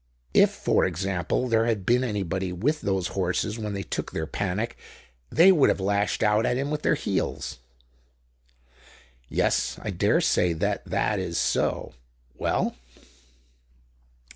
If, for example, there had been anybody with those horses when they took their panic they would have lashed out at him with their heels." "Yes, I dare say that that is so. Well."